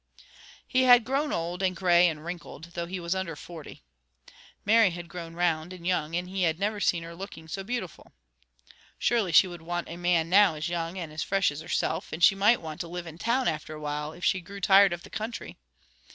He had grown old, and gray, and wrinkled, though he was under forty. Mary had grown round, and young, and he had never seen her looking so beautiful. Surely she would want a man now as young, and as fresh as herself; and she might want to live in town after a while, if she grew tired of the country.